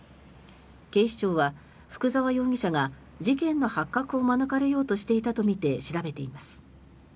警視庁は福澤容疑者が事件の発覚を免れようとしていたとみて調べています。